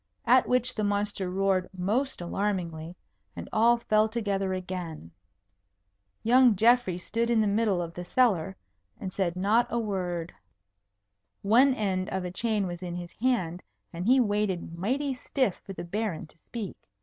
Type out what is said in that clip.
At which the monster roared most alarmingly, and all fell together again. Young Geoffrey stood in the middle of the cellar, and said not a word. One end of a chain was in his hand, and he waited mighty stiff for the Baron to speak.